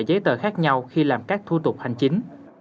cũng có nhiều loại giấy tờ khác nhau khi làm các thủ tục hành chính